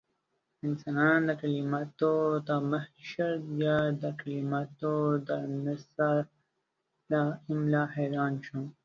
انسانان د کليماتو د محشر يا د کليماتو د نڅاه له امله حيران شول.